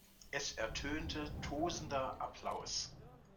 Es ertönte tosender Applaus.